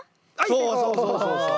そうそうそうそうそう。